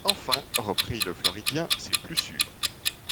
Enfin, reprit le Floridien, c’est plus sûr.